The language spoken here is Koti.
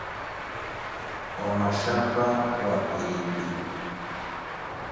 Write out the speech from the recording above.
O Machapa wa piipi